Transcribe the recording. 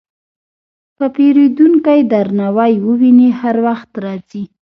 که پیرودونکی درناوی وویني، هر وخت راځي.